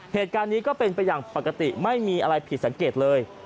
เหตุการณ์นี้ก็เป็นไปอย่างปกติไม่มีอะไรผิดสังเกตเลย